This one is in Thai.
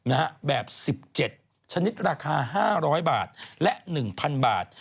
แบบ๑๗ชนิดราคา๕๐๐บาทและ๑๐๐บาท